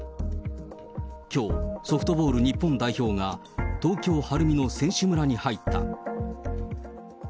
きょう、ソフトボール日本代表が、東京・晴海の選手村に入った。